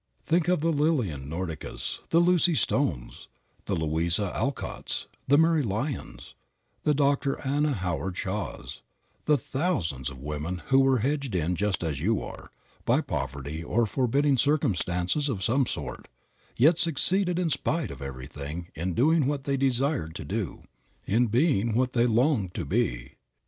Think of the Lillian Nordicas, the Lucy Stones, the Louisa Alcotts, the Mary Lyons, the Dr. Anna Howard Shaws, the thousands of women who were hedged in just as you are, by poverty or forbidding circumstances of some sort, yet succeeded in spite of everything in doing what they desired to do, in being what they longed to be.